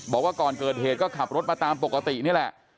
บอกว่าก่อนเกิดเหตุก็ขับรถมาตามปกตินี่แหละ